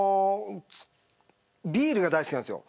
ビールが大好きなんですよ。